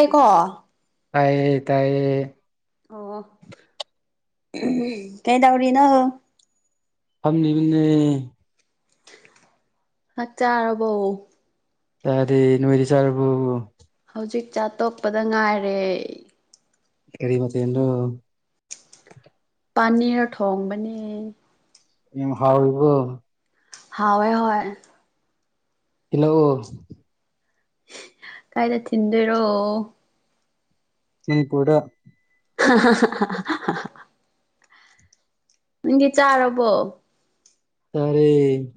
ꯑꯦꯀꯣ ꯇꯥꯏꯌꯦ ꯇꯥꯏꯌꯦ ꯑꯣ ꯎꯍꯝ ꯀꯩꯗꯧꯔꯤꯅꯣ ꯐꯝꯃꯤ ꯕꯅꯦ ꯆꯥꯛ ꯆꯥꯔꯕꯣ ꯆꯥꯗꯦ ꯅꯣꯏꯗꯤ ꯆꯥꯔꯕꯣ ꯍꯧꯖꯤꯛ ꯆꯥ ꯇꯣꯛꯄꯗ ꯉꯥꯏꯔꯦ ꯀꯔꯤ ꯃꯊꯦꯟꯅꯣ ꯄꯥꯅꯤꯔ ꯊꯣꯡꯕꯅꯦ ꯌꯥꯝ ꯍꯥꯎꯏꯕꯣ ꯍꯥꯎꯑꯦ ꯍꯣꯏ ꯢꯜꯂꯛ ꯑꯣ ꯀꯥꯏꯗ ꯊꯤꯟꯗꯣꯏꯔꯣ ꯃꯅꯤꯄꯨꯔꯗ ꯍꯥꯍꯥꯍꯥ ꯅꯪꯗꯤ ꯆꯥꯔꯕꯣ ꯆꯥꯔꯦ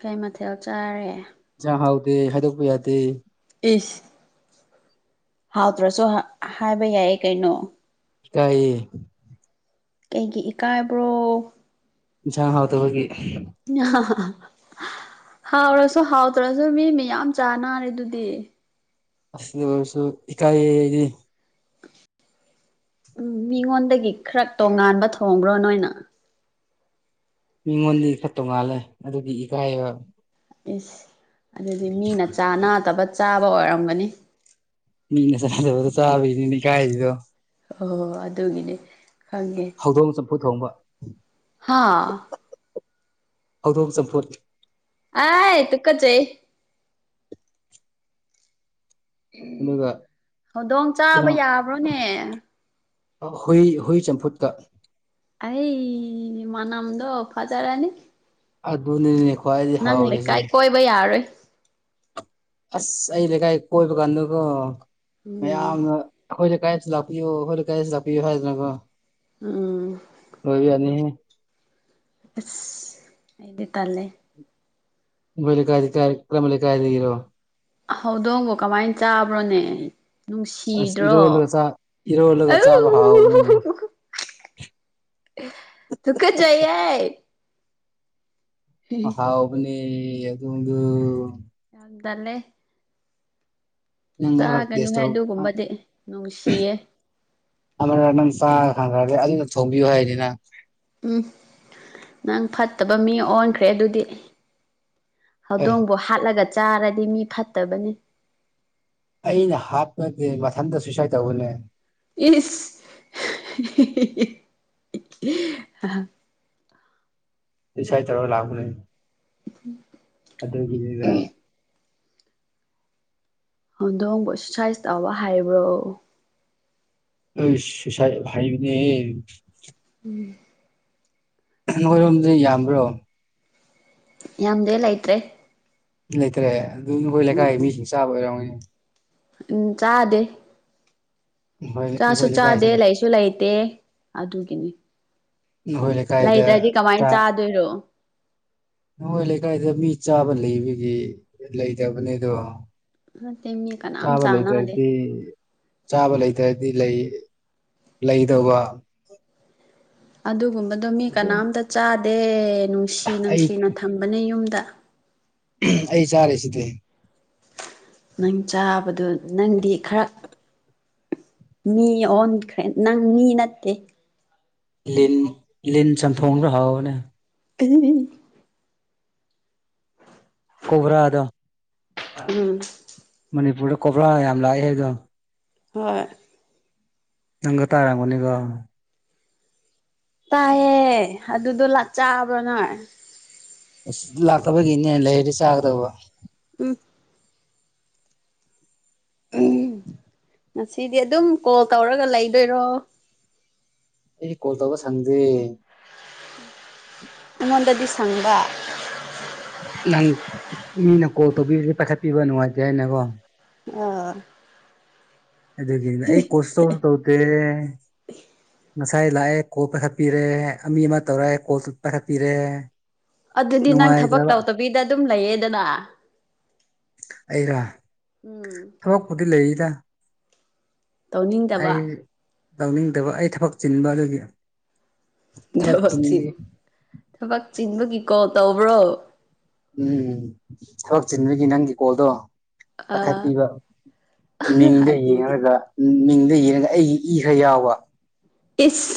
ꯀꯩ ꯃꯊꯦꯜ ꯆꯥꯔꯦ ꯏꯟꯖꯥ ꯍꯥꯎꯗꯦ ꯍꯥꯏꯗꯣꯛꯄ ꯌꯥꯗꯦ ꯏꯁ ꯍꯥꯎꯇ꯭ꯔꯁꯨ ꯍꯥꯏꯕ ꯌꯥꯏ ꯀꯩꯅꯣ ꯏꯀꯌꯦ ꯀꯩꯒꯤ ꯏꯀꯥꯏꯕ꯭ꯔꯣ ꯖ ꯍꯥꯎꯗ ꯕꯒꯤ ꯍꯥꯎꯔꯁꯨ ꯍꯥꯎꯇ꯭ꯔꯁꯨ ꯃꯤ ꯃꯤꯌꯥꯝ ꯆꯅꯥꯔꯦ ꯑꯗꯨꯗꯤ ꯑꯁ ꯑꯗꯨ ꯑꯣꯏꯔꯁꯨ ꯏꯀꯥꯏꯌꯦ ꯑꯪꯩꯗꯤ ꯎꯝ ꯃꯤꯉꯣꯟꯗꯒꯤ ꯈꯔ ꯇꯣꯡꯉꯥꯟꯕ ꯊꯣꯡꯕ꯭ꯔꯣ ꯅꯣꯏꯅ ꯃꯤꯉꯣꯟꯗꯩ ꯈ ꯇꯣꯉꯥꯜꯂꯦ ꯑꯗꯨꯒꯤ ꯏꯀꯥꯏꯕ ꯑꯁ ꯑꯗꯨꯗꯤ ꯃꯤꯅ ꯆꯥꯅꯗꯕ ꯆꯥꯕ ꯑꯣꯏꯔꯝꯒꯅꯤ ꯃꯤꯟꯅ ꯆꯥꯅꯗꯕꯗꯣ ꯆꯕꯩꯅꯤꯅꯦ ꯏꯀꯥꯏꯗꯣ ꯍ ꯍꯣꯏ ꯑꯗꯨꯒꯤꯅꯦ ꯈꯪꯉꯦ ꯊꯧꯗꯣꯡ ꯆꯝꯐꯨꯠ ꯊꯣꯡꯕ ꯍꯥꯥ ꯍꯧꯗꯣꯛ ꯆꯝꯐꯨꯠ ꯑꯥ ꯇꯨ ꯀꯆꯩ ꯎꯝ ꯑꯗꯨꯒ ꯍꯧꯗꯣꯡ ꯀꯩꯅꯣ ꯆꯥꯕ ꯌꯥꯕ꯭ꯔꯣꯅꯦ ꯍꯨꯏ ꯍꯨꯏ ꯆꯝꯐꯨꯠꯀ ꯑꯩ ꯃꯅꯝꯗꯣ ꯐꯖꯥ ꯔꯥꯅꯤ ꯑꯗꯨꯅꯤꯅꯦ ꯈ꯭ꯋꯥꯏꯗꯒꯤ ꯅꯪ ꯍꯥꯎꯔꯤꯁꯦ ꯂꯩꯀꯥꯏ ꯀꯣꯏꯕ ꯌꯥꯔꯣꯏ ꯑꯁ ꯑꯩ ꯂꯩꯀꯥꯏ ꯀꯣꯏꯕ ꯀꯥꯟꯗꯀꯣ ꯃꯌꯥꯝ ꯎꯝ ꯌꯥꯝꯅ ꯑꯩꯈꯣꯏ ꯂꯩꯀꯥꯏꯗ ꯂꯥꯛꯄꯤꯌꯨ ꯑꯩꯈꯣꯏꯅ ꯂꯩꯀꯥꯏꯗ ꯂꯥꯛꯄꯤꯌꯨ ꯍꯥꯏꯗꯅꯀꯣ ꯎꯝ ꯑꯣꯏꯕ ꯌꯥꯅꯤꯍꯦ ꯑꯁ ꯑꯩꯗꯤ ꯇꯥꯜꯂꯦ ꯑꯩꯈꯣꯏ ꯂꯩꯀꯥꯏ ꯂꯩꯀꯥꯏ ꯀ꯭ꯔꯝꯕ ꯂꯩꯀꯥꯏꯗꯒꯤꯔꯣ ꯍꯧꯗꯣꯡꯕꯨ ꯀꯃꯥꯏꯅ ꯆꯥꯕ꯭ꯔꯣꯅꯦ ꯑꯁ ꯅꯨꯡꯁꯤꯗ꯭ꯔꯣ ꯏꯔꯣꯜꯂꯒ ꯆꯥ ꯏꯔꯣꯜꯂꯒ ꯆꯥꯕ ꯑꯧ ꯍꯥꯎꯕꯅꯦ ꯇꯨꯀꯨꯆꯩꯌꯦ ꯑꯍꯥꯎꯕꯅꯤ ꯑꯗꯨꯗꯣ ꯇꯜꯂꯦ ꯅꯪ ꯉꯧꯔ ꯇꯦꯁ ꯆꯥꯒꯅꯨꯍꯦ ꯇꯧ ꯑꯗꯨꯒꯨꯝꯕꯗꯤ ꯅꯨꯡꯁꯤꯌꯦ ꯑꯃꯔꯛ ꯅꯪ ꯆꯥꯔ ꯀꯥꯟꯗꯗꯤ ꯑꯗꯨꯗ ꯊꯣꯡꯕꯤꯌꯨ ꯍꯥꯏꯅꯤ ꯅꯪ ꯎꯝ ꯅꯪ ꯐꯠꯇꯕ ꯃꯤ ꯑꯣꯟꯈ꯭ꯔꯦ ꯑꯗꯨꯗꯤ ꯑꯦ ꯍꯧꯗꯣꯡꯕꯨ ꯍꯥꯠꯂꯒ ꯆꯥꯔꯗꯤ ꯃꯤ ꯐꯠꯇꯕꯅꯤ ꯑꯩꯅ ꯍꯥꯠꯄ ꯅꯠꯇꯦ ꯃꯊꯟꯇ ꯁꯨꯏꯁꯥꯏꯠ ꯇꯧꯕꯅꯦ ꯏꯁ ꯁꯨꯁꯥꯏꯠ ꯇꯧꯔꯒ ꯂꯥꯛꯄꯅꯦ ꯎꯝ ꯑꯗꯨꯒꯤꯅꯤꯗ ꯍꯧꯗꯣꯡꯕꯣ ꯁꯨꯏꯁꯏꯠ ꯇꯧꯕ ꯍꯥꯏꯕ꯭ꯔꯣ ꯑꯩ ꯁꯨꯏꯁꯥꯏꯠ ꯍꯩꯕꯦꯅꯦꯍꯦ ꯎꯝ ꯅꯣꯏꯔꯣꯝꯗꯤ ꯌꯥꯝꯕ꯭ꯔꯣ ꯌꯥꯝꯗꯦ ꯂꯩꯇ꯭ꯔꯦ ꯂꯩꯇ꯭ꯔꯦ ꯑꯗꯨ ꯅꯈꯣꯏ ꯂꯩꯀꯥꯏꯒꯤ ꯎꯝ ꯃꯤꯁꯤꯡ ꯆꯥꯕ ꯑꯣꯏꯔꯝꯒꯅꯤ ꯎꯝ ꯆꯥꯗꯦ ꯅꯈꯣꯏ ꯆꯥꯁꯨ ꯅꯈꯣꯏ ꯆꯥꯗꯦ ꯂꯩꯀꯥꯏꯁꯤꯡ ꯂꯩꯁꯨ ꯂꯩꯇꯦ ꯑꯗꯨꯒꯤꯅꯤ ꯅꯈꯣꯏ ꯂꯩꯀꯥꯏꯗ ꯂꯩꯇ꯭ꯔꯗꯤ ꯀꯃꯥꯏꯅ ꯆꯥ ꯆꯥꯗꯣꯏꯔꯣ ꯅꯈꯣꯏ ꯂꯩꯀꯥꯏꯗ ꯃꯤ ꯆꯥꯕ ꯂꯩꯕꯒꯤ ꯂꯩꯇꯕꯅꯤ ꯑꯗꯣ ꯅꯠꯇꯦ ꯃꯤ ꯀꯅꯥꯝ ꯆꯥꯕ ꯆꯥꯅꯗꯦ ꯂꯩꯇꯔꯗꯤ ꯆꯥꯕ ꯂꯩꯇ꯭ꯔꯗꯤ ꯂꯩ ꯂꯩꯗꯧꯕ ꯑꯗꯨꯒꯨꯝꯕꯗꯣ ꯃꯤ ꯑꯗ ꯀꯅꯥꯝꯇ ꯆꯥꯗꯦ ꯅꯨꯡꯁꯤ ꯑꯩ ꯅꯨꯡꯁꯤꯅ ꯊꯝꯕꯅꯦ ꯌꯨꯝꯗ ꯑꯩ ꯆꯥꯔꯤꯁꯤꯗꯤ ꯅꯪ ꯆꯥꯕꯗ ꯅꯪꯗꯤ ꯈꯔ ꯃꯤ ꯑꯣꯟꯈ꯭ꯔꯦ ꯅꯪ ꯃꯤ ꯅꯠꯇꯦ ꯂꯤꯟ ꯂꯤꯟ ꯆꯟꯊꯣꯡꯁꯨ ꯍꯥꯎꯕꯅꯦ [unintelligible] ꯀꯣꯕ꯭ꯔꯥꯗꯣ ꯎꯝ ꯃꯅꯤꯄꯨꯔꯗ ꯀꯣꯕꯂꯥ ꯌꯥꯝ ꯂꯥꯛꯑꯦ ꯍꯥꯏꯗꯣ ꯍꯣꯏ ꯅꯪꯒ ꯇꯥꯔꯝꯒꯅꯤꯒ ꯇꯥꯏꯌꯦ ꯑꯗꯨꯗꯣ ꯂꯥꯛ ꯆꯥꯕ꯭ꯔꯣ ꯅꯣꯏ ꯑꯁ ꯂꯥꯛꯇꯕꯒꯤꯅꯦ ꯂꯩꯔꯗꯤ ꯆꯥꯒꯗꯕ ꯎꯝ ꯎꯝ ꯉꯁꯤꯗꯤ ꯑꯗꯨꯝ ꯀꯣꯜ ꯇꯧꯔꯒ ꯂꯩꯗꯣꯏꯔꯣ ꯑꯩꯗꯤ ꯀꯣꯜ ꯇꯧꯔꯒ ꯁꯪꯗꯦ ꯑꯩꯉꯣꯟꯗꯗꯤ ꯁꯪꯕ ꯅꯪ ꯃꯤꯅ ꯀꯣꯜ ꯇꯧꯕꯤꯔꯗꯤ ꯄꯥꯏꯈꯠ ꯄꯤꯕ ꯅꯨꯡꯉꯥꯏꯇꯦ ꯍꯥꯏꯅꯀꯣ ꯑꯣ ꯑꯗꯨꯒꯤꯅꯤꯗ ꯑꯩ ꯀꯣꯁ ꯇꯧ ꯇꯧꯗꯦ ꯉꯁꯥꯏ ꯂꯥꯛꯑꯦ ꯀꯣꯜ ꯄꯥꯏꯈꯠ ꯄꯤꯔꯦ ꯃꯤ ꯑꯃ ꯇꯧꯔꯦ ꯀꯣꯜ ꯄꯥꯏꯈꯠ ꯄꯤꯔꯦ ꯑꯗꯨꯗꯤ ꯅꯪ ꯊꯕꯛ ꯇꯧꯗꯕꯤꯗ ꯑꯗꯨꯝ ꯂꯩꯌꯦꯗꯅ ꯑꯩꯔꯥ ꯎꯝ ꯊꯕꯛꯄꯨꯗꯤ ꯂꯩꯔꯤꯗ ꯇꯧꯅꯤꯡꯗꯕ ꯑꯩ ꯇꯧꯅꯤꯡꯗꯕ ꯑꯩ ꯊꯕꯛ ꯆꯤꯟꯕ ꯑꯗꯨꯒꯤ ꯊꯕꯛ ꯙꯞꯇꯤ ꯆꯤꯟꯕꯒꯤ ꯊꯕꯛ ꯆꯤꯟꯕꯒꯤ ꯀꯣꯜ ꯇꯧꯕ꯭ꯔꯣ ꯎꯝ ꯊꯕꯛ ꯆꯤꯟꯕꯒꯤ ꯅꯪꯒꯤ ꯀꯣꯜꯗꯣ ꯑꯥ ꯄꯥꯈꯠꯄꯤꯕ ꯃꯤꯡꯗ ꯑꯗꯨꯅꯤ ꯌꯦꯡꯔꯒ ꯃꯤꯡꯗ ꯌꯦꯔꯒ ꯑꯩꯒꯤ ꯏ ꯈꯔ ꯌꯥꯎꯕ ꯏꯁ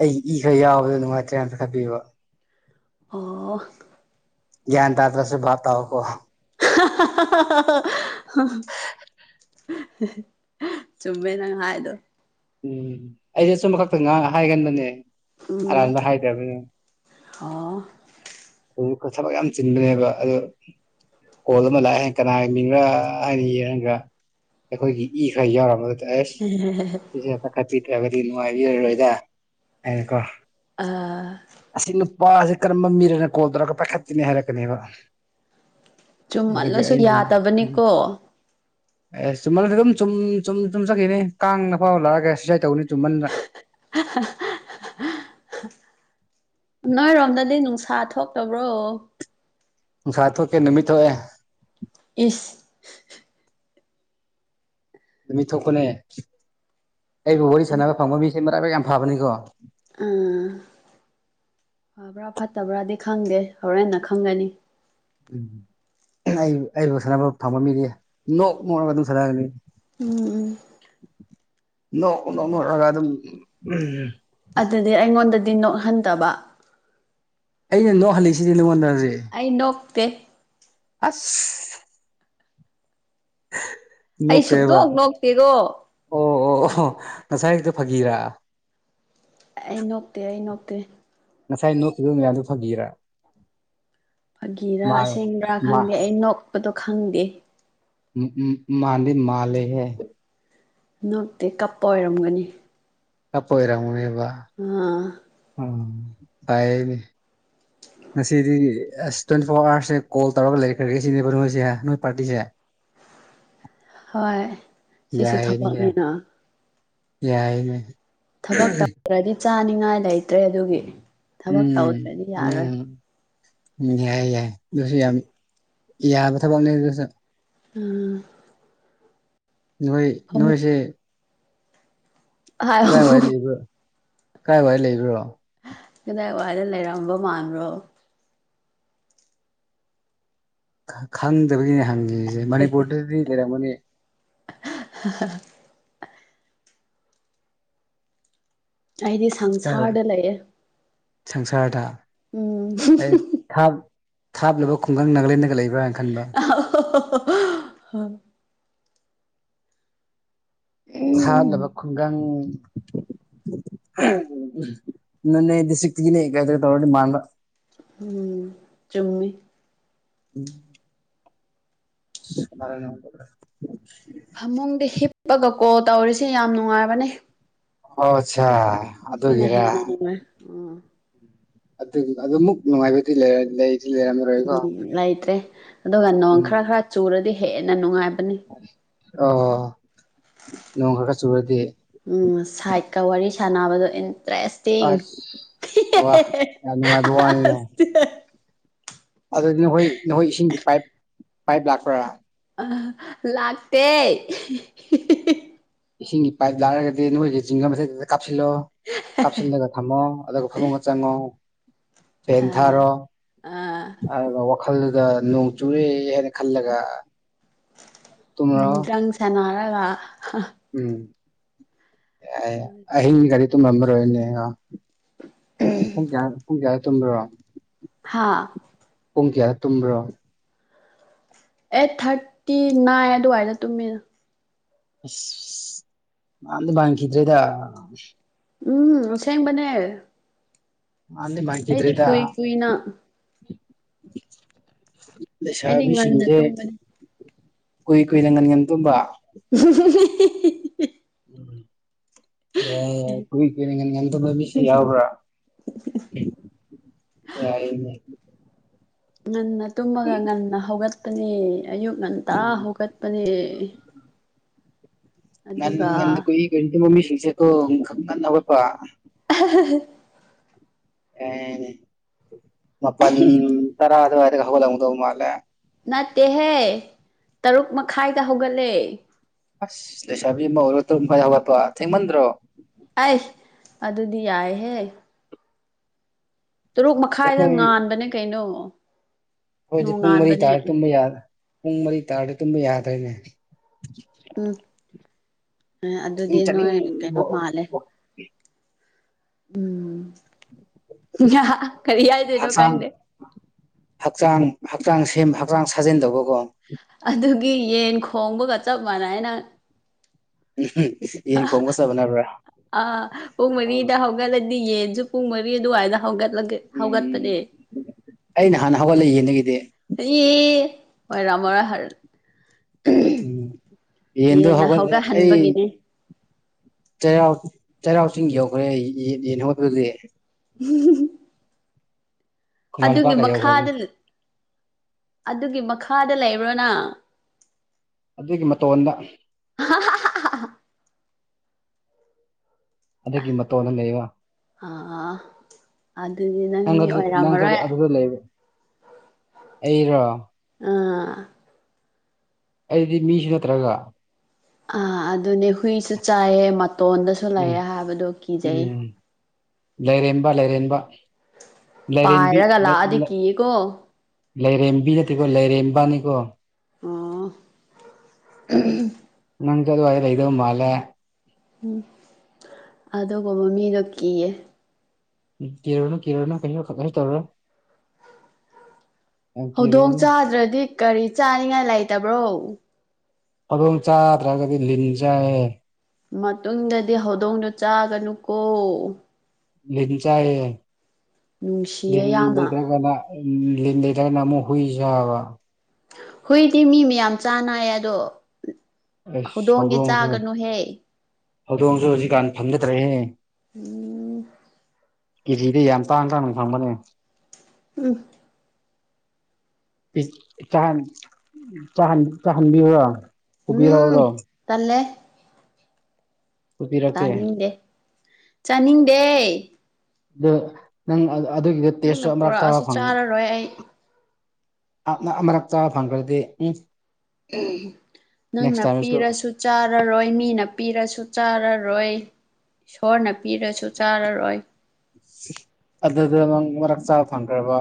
ꯑꯩꯒꯤ ꯏ ꯈꯔ ꯌꯥꯎꯕꯗꯣ ꯅꯨꯡꯉꯥꯏꯇ꯭ꯔꯦꯅ ꯄꯥꯏꯈꯠꯄꯤꯕ ꯑꯣ ꯒ꯭ꯌꯥꯟ ꯇꯥꯗ꯭ꯔꯁꯨ ꯚꯥꯄ ꯇꯥꯎꯀꯣ [inaudible] ꯆꯨꯝꯃꯦ ꯅꯪ ꯍꯥꯏꯗꯣ ꯎꯝ ꯑꯩꯁꯦ ꯑꯆꯨꯝꯕ ꯈꯛꯇ ꯉꯥꯡ ꯍꯥꯏꯒꯟꯕꯅꯦ ꯎꯝ ꯑꯔꯥꯟꯕ ꯍꯥꯏꯕ ꯌꯥꯕ꯭ꯔꯥꯅꯦ ꯑꯣ ꯑ ꯊꯕꯛ ꯌꯥꯝ ꯆꯤꯟꯕꯅꯦꯕ ꯑꯗꯣ ꯀꯣꯜ ꯑꯃ ꯂꯥꯛꯑꯦ ꯀꯅꯥꯏ ꯃꯤꯡꯔꯥ ꯍꯥꯏꯅ ꯌꯦꯡꯑꯒ ꯑꯩꯈꯣꯏꯒꯤ ꯏ ꯈꯔ ꯌꯥꯎꯔꯕ ꯑꯗ ꯑꯦꯁ [inaudible] ꯁꯤꯁꯦ ꯄꯥꯏꯈꯠ ꯄꯤꯗ꯭ꯔꯕꯗꯤ ꯅꯨꯡꯉꯥꯏꯕꯤꯔ ꯔꯣꯏꯗ ꯍꯥꯏꯅꯀꯣ ꯑ ꯑꯁꯤ ꯅꯨꯄꯥꯁꯦ ꯀꯔꯝꯕ ꯃꯤꯔꯅꯦ ꯀꯣꯜ ꯇꯧꯔꯒ ꯄꯥꯏꯈꯠꯇꯦꯅꯦ ꯍꯥꯏꯔꯛ ꯀꯅꯦꯕ ꯆꯨꯝꯃꯜꯂꯁꯨ ꯌꯥꯗꯕꯅꯤꯀꯣ ꯑꯦꯁ ꯆꯨꯝꯃꯜ ꯂꯁꯨ ꯑꯗꯨꯝ ꯆꯨꯝ ꯆꯨꯝ ꯆꯨꯝ ꯆꯠꯈꯤꯕ ꯌꯥꯏ ꯀꯥꯡꯅ ꯐꯥꯎ ꯂꯥꯛꯑꯒ ꯁꯨꯁꯥꯏꯠ ꯇꯧꯅꯤ ꯆꯨꯝꯃꯟꯕ [inaudible] ꯅꯣꯏꯔꯣꯝꯗꯗꯤ ꯅꯨꯡꯁꯥ ꯊꯣꯛꯇꯕ꯭ꯔꯣ ꯅꯨꯡꯁꯥ ꯊꯣꯛꯇꯦ ꯅꯨꯃꯤꯠ ꯊꯣꯛꯑꯦ ꯏꯁ ꯅꯨꯃꯤꯠ ꯊꯣꯛꯄꯅꯦ ꯑꯩꯕꯨ ꯋꯥꯔꯤ ꯁꯥꯟꯅꯕ ꯐꯪꯕ ꯃꯤꯁꯦ ꯃꯔꯥꯏꯕꯛ ꯌꯥꯝ ꯐꯥꯕꯅꯤꯀꯣ ꯑꯥ ꯐꯕ꯭ꯔꯥ ꯐꯠꯇꯕ꯭ꯔꯥꯗꯤ ꯈꯪꯗꯦ ꯍꯣꯔꯦꯟꯅ ꯈꯪꯒꯅꯤ ꯎꯝ ꯑꯩ ꯑꯩꯕꯨ ꯁꯥꯟꯅꯕ ꯐꯪꯕ ꯃꯤꯗꯤ ꯅꯣꯛ ꯅꯣꯛꯑꯒ ꯑꯗꯨꯝ ꯁꯥꯟꯅꯒꯅꯤ ꯎꯝ ꯎꯝ ꯅꯣꯛ ꯅꯣꯛꯅꯔꯒ ꯑꯗꯨꯝ ꯑꯗꯨꯗꯤ ꯑꯩꯉꯣꯟꯗꯗꯤ ꯅꯣꯛꯍꯟꯗꯕ ꯑꯩꯅ ꯅꯣꯛ ꯍꯜꯂꯤꯁꯤꯗꯤ ꯅꯉꯣꯟꯗ ꯍꯧꯖꯤꯛ ꯑꯩ ꯅꯣꯛꯇꯦ ꯑꯁ ꯑꯩ ꯅꯣꯛꯇꯦꯕ ꯁꯨꯛꯅꯣꯛ ꯅꯣꯛꯇꯦꯀꯣ ꯑꯣ ꯑꯣ ꯑꯣ ꯉꯁꯥꯏꯒꯤꯗꯣ ꯐꯥꯒꯤꯔ ꯑꯩ ꯅꯣꯛꯇꯦ ꯑꯩ ꯅꯣꯛꯇꯦ ꯉꯁꯥꯏ ꯅꯣꯛꯈꯤꯕ ꯃꯌꯥꯝꯗꯣ ꯐꯥꯒꯤꯔꯥ ꯐꯥꯒꯤꯔꯥ ꯃꯥ ꯑꯁꯦꯡꯕ꯭ꯔꯥ ꯃꯥ ꯈꯪꯗꯦ ꯑꯩ ꯅꯣꯛꯄꯗꯣ ꯈꯪꯗꯦ ꯎꯝ ꯎꯝ ꯎꯝ ꯃꯥꯥꯟꯗꯤ ꯃꯥꯜꯂꯦ ꯍꯦ ꯅꯣꯛꯇꯦ ꯀꯞꯄ ꯑꯣꯏꯔꯝꯒꯅꯤ ꯀꯞꯄ ꯑꯣꯏꯔꯝ ꯒꯅꯦꯕ ꯑ ꯎꯝ ꯐꯩꯌꯦꯅꯦ ꯉꯁꯤꯗꯤ ꯑꯁ ꯇ꯭ꯋꯦꯟꯇꯤ ꯐꯣꯔ ꯑꯋꯥꯔꯁꯦ ꯀꯣꯜ ꯇꯧꯔꯒ ꯂꯩꯈ꯭ꯔꯒꯦ ꯁꯤꯅꯦꯕ ꯅꯣꯏꯁꯦ ꯅꯣꯏ ꯄꯥꯔꯇꯤꯁꯦ ꯍꯣꯏ ꯁꯤꯁꯨ ꯌꯥꯏꯅꯦ ꯌꯥꯏ ꯊꯕꯛꯅꯤꯅ ꯌꯥꯏꯅꯦ ꯊꯕꯛ ꯇꯧꯗ꯭ꯔꯗꯤ ꯆꯥꯅꯤꯡꯉꯥꯏ ꯂꯩꯇ꯭ꯔꯦ ꯑꯗꯨꯒꯤ ꯊꯕꯛ ꯎꯝ ꯇꯧꯗ꯭ꯔꯗꯤ ꯌꯥꯔꯣꯏ ꯎꯝ ꯎꯝ ꯌꯥꯏꯌꯦ ꯌꯥꯏ ꯑꯗꯨꯁꯨ ꯌꯥꯝ ꯌꯥꯕ ꯊꯕꯛꯅꯦ ꯑꯗꯨꯁꯨ ꯎꯝ ꯅꯣꯏ ꯐꯝ ꯅꯣꯏꯁꯦ ꯍꯥꯏꯌꯣ ꯀꯔꯥꯏꯋꯥꯏ ꯂꯩꯕꯣ ꯀꯔꯥꯏꯋꯥꯥꯏ ꯂꯩꯕ꯭ꯔꯣ ꯀꯗꯥꯏ ꯋꯥꯏꯗ ꯂꯩꯔꯝꯕ ꯃꯥꯟꯕ꯭ꯔꯣ ꯈꯪꯗꯕꯒꯤꯅꯦ ꯍꯪꯉꯤꯁꯦ ꯃꯅꯤꯄꯨꯔꯗꯗꯤ ꯂꯩꯔꯝꯒꯅꯤ [unintelligible] ꯑꯩꯗꯤ ꯁꯪꯁꯥꯔꯗ ꯂꯩꯑꯦ ꯁꯪꯁꯔꯗ ꯎꯝ ꯑꯩ ꯊ ꯊꯕ ꯂꯕ ꯈꯨꯡꯒꯪ ꯅꯅꯥꯒ ꯒ ꯂꯩ ꯑ ꯍ ꯎꯝ ꯁꯥꯠꯂꯕ ꯈꯨꯡꯒꯪ ꯎ ꯅꯅꯦ ꯏꯗꯤ ꯁꯤ ꯇꯅꯦ ꯀꯥꯏ꯭ꯔꯦ ꯇꯗꯤ ꯃꯥꯥꯟꯂ ꯎ ꯆꯨꯝꯃꯤ ꯎꯝ ꯃ ꯐꯃꯨꯡꯗ ꯍꯤꯞꯄꯒ ꯀꯣꯜ ꯇꯧꯔꯤꯁꯤ ꯌꯥꯝ ꯅꯨꯡꯉꯥꯏꯕꯅꯦ ꯑꯣ ꯑꯆꯥ ꯁꯤꯅ ꯍꯦꯅ ꯅꯃ ꯑ ꯑꯗꯨ ꯑꯗꯨ ꯑꯃꯨꯛ ꯅꯨꯡꯉꯥꯏꯕꯗꯤ ꯂꯩꯔ ꯂꯩ ꯎꯝ ꯂꯩꯇ꯭ꯔꯦ ꯑꯗꯨꯒ ꯅꯣꯡ ꯎꯝ ꯈꯔ ꯈꯔ ꯆꯨꯔꯗꯤ ꯍꯦꯟꯅ ꯅꯨꯡꯉꯥꯏꯕꯅꯤ ꯑꯣ ꯅꯣꯡ ꯈꯔ ꯈꯔ ꯆꯨꯔꯗꯤ ꯁꯥꯏꯠꯀ ꯋꯥꯔꯤ ꯁꯥꯟꯅꯕꯗꯣ ꯏꯟꯇꯔꯦꯁ ꯆꯤ ꯑꯁ ꯋꯥ ꯌꯥꯝ ꯅꯨꯡꯉꯥꯏꯕ ꯋꯥꯅꯤꯅꯦ ꯑ ꯑꯗꯨꯗꯤ ꯅꯈꯣꯏ ꯅꯈꯣꯏ ꯏꯁꯤꯡꯒꯤ ꯄꯥꯏꯞ ꯄꯥꯏꯞ ꯂꯥꯛꯄ꯭ꯔꯥ ꯑ ꯂꯥꯛꯇ ꯏꯁꯤꯡꯒꯤ ꯄꯥꯏꯞ ꯂꯥꯔꯒꯗꯤ ꯅꯣꯏꯒꯤ ꯆꯤꯡꯒ ꯃꯆꯗꯨꯗ ꯀꯥꯞꯁꯤꯜꯂꯣ ꯀꯥꯞꯁꯤꯜꯂꯒ ꯊꯝꯃꯣ ꯑꯗꯨꯒ ꯐꯃꯨꯡ ꯆꯉꯣ ꯐꯦꯟ ꯑ ꯊꯥꯔꯣ ꯑ ꯑꯗꯨꯒ ꯈꯜꯂꯒ ꯅꯣꯡ ꯆꯨꯔꯦ ꯍꯥꯏꯅ ꯈꯜꯂꯒ ꯎꯝ ꯇꯨꯝꯔꯣ ꯗ꯭ꯔꯪ ꯁꯅꯔꯒ ꯎꯝ ꯑꯦ ꯑꯍꯤꯡ ꯒꯥꯔꯤ ꯇ ꯉꯝꯃꯔꯣꯏꯅꯦ ꯑ ꯄꯨꯡ ꯀꯌꯥ ꯄꯨꯡ ꯀꯌꯥꯗ ꯇꯨꯝꯗ꯭ꯔꯣ ꯍꯥꯥ ꯄꯨꯡꯀꯤꯌꯥ ꯇꯨꯝꯕ꯭ꯔꯣ ꯑꯩꯠ ꯊꯥꯔꯇꯤ ꯅꯥꯏꯟ ꯑꯗꯨꯋꯥꯏꯗ ꯇꯨꯝꯃꯤꯅ ꯑꯁ ꯃꯗꯤ ꯃꯥꯡꯈꯤꯗ꯭ꯔꯦꯗ ꯎꯝ ꯁꯦꯡꯕꯅꯦ ꯅꯤ ꯃꯥꯏꯀꯗ꯭ꯔꯦꯗ ꯀꯨꯏ ꯀꯨꯏꯅ ꯑꯩꯗꯤ ꯉꯟꯅ ꯂꯩꯁꯥꯕꯤꯁꯤꯡꯁꯦ ꯇꯨꯝꯕꯅꯤ ꯀꯨꯏ ꯀꯨꯏꯅ ꯉꯟ ꯉꯝꯗꯣꯕ ꯍ ꯎꯝ ꯑꯦꯣꯏ ꯀꯅꯤꯡ ꯃꯤꯁꯤ ꯌꯥꯎꯕ꯭ꯔꯥ ꯌꯥꯔ ꯉꯟꯅ ꯇꯨꯝꯃꯒ ꯉꯟꯅ ꯍꯧꯒꯠꯄꯅꯦ ꯑꯌꯨꯛ ꯉꯟꯇꯥ ꯎꯝ ꯍꯧꯒꯠꯄꯅꯦ ꯉꯪ ꯑꯗꯨꯒ ꯉ ꯀꯣꯏ ꯀ ꯃꯃꯤ ꯁꯤꯤꯡꯁꯦꯀꯣ ꯉ ꯋꯥꯄ [inaudible] ꯑꯦ ꯃꯄꯥꯟ ꯇꯔꯥ ꯑꯗꯨꯋꯥꯢꯗꯒ ꯍꯧꯒꯠꯂꯝꯗꯧ ꯃꯥꯜꯂꯦ ꯅꯠꯇꯦꯍꯦ ꯇꯔꯨꯛ ꯃꯈꯥꯏꯗ ꯍꯧꯒꯠꯂꯦ ꯑꯁ ꯂꯩꯁꯥꯕꯤ ꯑꯃ ꯑꯣꯏꯔ ꯇꯔꯨꯛ ꯃꯈꯥꯢꯗ ꯍꯧꯒꯠꯄ ꯊꯦꯡꯃꯟꯗ꯭ꯔꯣ ꯑꯩ ꯑꯗꯨꯗꯤ ꯌꯥꯏꯍꯦ ꯇꯔꯨꯛ ꯃꯈꯥꯏꯗ ꯑꯩꯈꯣꯏ ꯉꯥꯟꯕꯅꯦ ꯀꯩꯅꯣ ꯈꯣꯏꯗꯤ ꯄꯨꯡ ꯃꯔꯤ ꯅꯣꯡꯉꯥꯟꯕꯅꯦ ꯇꯥꯔ ꯇꯨꯝꯕ ꯌꯥ ꯄꯨꯡ ꯃꯔꯤ ꯇꯥꯔꯗꯤ ꯇꯨꯝꯕ ꯌꯥꯗ꯭ꯔꯦꯅꯦ ꯎꯝ ꯑꯗꯨꯗꯤ ꯋꯥꯀꯤꯡ ꯅꯣꯏ ꯀꯩꯅꯣ ꯆꯠꯅꯤꯡꯕ ꯃꯥꯜꯂꯦ ꯎꯝ ꯍꯤ ꯍꯥ ꯀꯔꯤ ꯍꯤꯢꯗꯨꯢꯅꯣ ꯍꯛꯆꯥꯡ ꯈꯪꯗꯦ ꯍꯛꯆꯥꯡ ꯍꯛꯆꯥꯡ ꯁꯦꯝ ꯍꯛꯆꯥꯡ ꯁꯥꯖꯦꯟ ꯇꯧꯕꯀꯣ ꯑꯗꯨꯒꯤ ꯌꯦꯟ ꯈꯣꯡꯕꯒ ꯆꯞ ꯃꯥꯟꯅꯩꯪ ꯅꯪ ꯎꯝ ꯌꯦꯟ ꯈꯣꯡꯕꯒ ꯆꯥꯞ ꯃꯥꯟꯅꯕ꯭ꯔꯥ ꯑꯥ ꯄꯨꯡ ꯃꯔꯤꯗ ꯍꯧꯒꯠꯂꯗꯤ ꯌꯦꯟꯁꯨ ꯄꯨꯡ ꯃꯔꯤ ꯑꯗꯨꯋꯥꯏꯗ ꯍꯧꯒꯠꯂ ꯎꯝ ꯍꯧꯒꯠꯄꯅꯦ ꯑꯩꯅ ꯍꯥꯟꯅ ꯍꯧꯒꯠꯂꯦ ꯌꯦꯟꯗꯒꯤꯗꯤ ꯑꯦ ꯑꯣꯏꯔꯝꯃꯔꯣꯢ ꯎꯝ ꯌꯦꯟꯗꯣ ꯌꯦꯟꯅ ꯍꯧꯒꯠ ꯍꯧꯒꯠꯍꯟꯕꯒꯤꯅꯦ ꯆꯩꯔꯥꯎ ꯆꯩꯔꯥꯎ ꯆꯤꯡ ꯌꯧꯈ꯭ꯔꯦ ꯑꯩ ꯌꯦꯟ ꯌꯦꯟ ꯍꯧꯠꯄꯗꯗꯤ ꯎꯝ [inaudible] ꯈꯨꯃꯟ ꯑꯗꯨꯒꯤ ꯂꯝꯄꯥꯛꯀ ꯌꯧꯈ꯭ꯔꯕꯅꯤ ꯃꯈꯥꯗ ꯑꯗꯨꯒꯤ ꯃꯈꯥꯗ ꯂꯩꯕ꯭ꯔꯣ ꯅꯪ ꯑꯗꯨꯒꯤ ꯃꯇꯣꯟꯗ ꯍ [inaudible] ꯑꯗꯨꯒꯤ ꯃꯇꯣꯟꯗ ꯂꯩꯕ ꯑꯥ ꯑꯗꯨꯗꯤ ꯅꯪ ꯃꯤ ꯑꯗꯨ ꯅꯪꯁꯨ ꯑꯣꯏꯔꯝꯃꯔꯣꯏ ꯑꯗꯨꯗ ꯂꯩꯕ ꯑꯩꯔꯣ ꯑꯥ ꯑꯩꯗꯤ ꯃꯤꯁꯨ ꯅꯠꯇ꯭ꯔꯒ ꯑ ꯑꯗꯨꯅꯦ ꯍꯨꯏꯁꯨ ꯆꯥꯏꯌꯦ ꯃꯇꯣꯟꯗꯁꯨ ꯎꯝ ꯂꯩꯌꯦ ꯍꯥꯏꯕꯗꯣ ꯀꯤꯖꯩ ꯎꯝ ꯂꯩꯔꯦꯝꯕ ꯂꯩꯔꯦꯝꯕ ꯂꯥꯏꯔꯦꯟꯕꯤ ꯄꯥꯏꯔꯒ ꯂꯥꯛꯑꯗꯤ ꯀꯤꯌꯦꯀꯣ ꯂꯩꯥꯏꯔꯦꯝꯕꯤ ꯅꯠꯇꯔꯒꯀꯣ ꯂꯩꯔꯦꯝꯕꯅꯤꯀꯣ ꯑꯥ ꯅꯪꯁꯨ ꯑꯗꯨꯋꯥꯏꯗ ꯂꯩꯗꯧ ꯃꯥꯜꯂꯦ ꯎꯝ ꯑꯗꯨꯒꯨꯝꯕ ꯃꯤꯗꯣ ꯀꯤꯌꯦ ꯀꯤꯔꯨꯅꯣ ꯀꯤꯔꯨꯅꯣ ꯀꯩꯁꯨ ꯇꯧꯔꯣꯢ ꯌꯥꯝ ꯍꯧꯗꯣꯡ ꯀꯤꯔꯨꯔꯅꯨ ꯆꯥꯗ꯭ꯔꯗꯤ ꯀꯔꯤ ꯆꯥꯅꯤꯡꯉꯥꯏ ꯂꯩꯇꯕ꯭ꯔꯣ ꯍꯧꯗꯣꯡ ꯆꯥꯗ꯭ꯔꯒꯗꯤ ꯂꯤꯟ ꯆꯥꯏꯌꯦ ꯃꯇꯨꯡꯗꯗꯤ ꯍꯧꯗꯣꯡꯗꯣ ꯆꯥꯒꯅꯨꯀꯣ ꯂꯤꯜ ꯆꯥꯢꯌꯦ ꯅꯨꯡꯁꯤꯌꯦ ꯂꯤꯜ ꯌꯥꯝꯅ ꯂꯩꯇꯔꯒꯥꯟꯗ ꯂꯤꯜ ꯂꯩꯇꯔꯒꯥꯟꯗ ꯑꯃꯨꯛ ꯍꯨꯢ ꯆꯥꯕꯥ ꯍꯨꯏꯗꯤ ꯃꯤ ꯃꯌꯥꯝ ꯆꯥꯅꯩꯌꯦ ꯑꯗꯣ ꯑꯩꯁ ꯍꯧꯗꯣꯡꯒꯤ ꯍꯧꯗꯣꯡꯁꯨ ꯆꯥꯒꯅꯨꯍꯦ ꯍꯧꯗꯣꯡꯁꯨ ꯍꯧꯖꯤꯛꯀꯥꯟ ꯐꯥꯡꯅꯗ꯭ꯔꯦꯍꯦ ꯎꯝ ꯀꯦꯖꯤꯗ ꯌꯥꯝ ꯇꯥꯡ ꯇꯥꯡꯅ ꯐꯪꯕꯅꯦ ꯎꯝ ꯆꯥꯍꯟꯕꯤꯌꯨ [inaudible] ꯎꯝ ꯇꯜꯂꯦ ꯄꯨꯕꯤꯔꯛꯀꯦ ꯆꯥꯅꯤꯡꯗꯦ ꯆꯥꯅꯤꯡꯗꯦ ꯑꯗꯨ ꯅꯪ ꯑꯗꯨꯒꯤꯗꯣ ꯇꯦꯁꯁꯨ ꯅꯪꯅ ꯑꯃꯔꯛ ꯆꯥꯕ ꯄꯣꯔꯛꯑꯁꯨ ꯐꯪ ꯆꯥꯔꯔꯣꯏ ꯑꯩ ꯑꯞꯅ ꯃꯔꯛ ꯆꯥꯕ ꯐꯪꯈ꯭ꯔꯗꯤ ꯎꯝ ꯅꯦꯛꯁ ꯅꯪꯅ ꯇꯥꯏꯝꯁꯨ ꯄꯤꯔꯁꯨ ꯆꯥꯔꯔꯣꯏ ꯃꯤꯅ ꯄꯤꯔꯁꯨ ꯆꯥꯔꯔꯣꯏ ꯏꯁꯣꯔꯅ ꯄꯤꯔꯁꯨ ꯆꯥꯔꯔꯣꯏ ꯑꯗꯨꯗ ꯅꯪ ꯃꯔꯛ ꯆꯥꯕ ꯐꯪꯈ꯭ꯔꯕ‌ꯣ